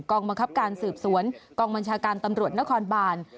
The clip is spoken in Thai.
บังคับการสืบสวนกองบัญชาการตำรวจนครบาน